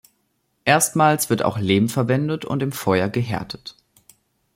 Erstmals wird auch Lehm verwendet und im Feuer gehärtet.